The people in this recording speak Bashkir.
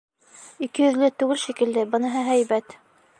Ике йөҙлө түгел шикелле, быныһы — һәйбәт.